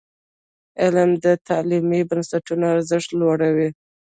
علم د تعلیمي بنسټونو ارزښت لوړوي.